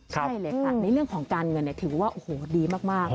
ใช่เลยค่ะในเรื่องของการเงินถือว่าโอ้โหดีมาก